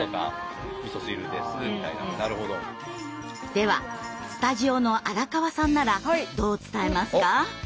ではスタジオの荒川さんならどう伝えますか？